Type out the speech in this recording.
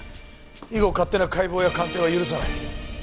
以後勝手な解剖や鑑定は許さない。